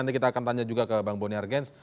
nanti kita akan tanya juga ke bang boniar gens